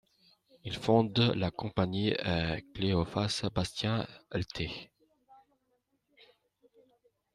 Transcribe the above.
Il fonde la compagnie Cléophas Bastien ltée.